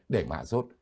để mà sốt